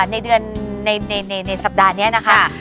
ในสัปดาห์เนี่ยนะคะ